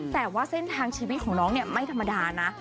แต่ว่าเส้นทางชีวิตของน้องเนี่ยไม่ธรรมดานะ